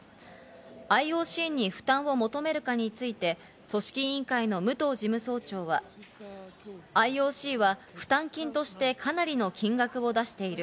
ＩＯＣに負担を求めるかについて組織委員会の武藤事務総長は、ＩＯＣは負担金としてかなりの金額を出している。